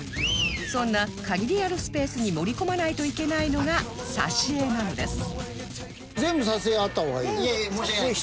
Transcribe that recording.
そんな限りあるスペースに盛り込まないといけないのが挿絵なんです